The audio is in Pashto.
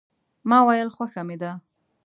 ما ویل خوښه مې ده.